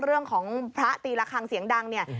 เรื่องของพระตีละครั้งเสียงดังเนี่ย